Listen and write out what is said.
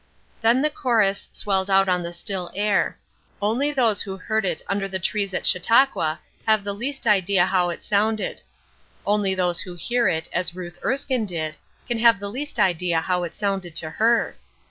Then the chorus swelled out on the still air. Only those who heard it under the trees at Chautauqua have the least idea how it sounded; only those who hear it, as Ruth Erskine did, can have the least idea how it sounded to her.